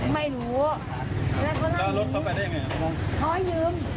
ไม่รู้กลับมาเจ้าของไม่อยู่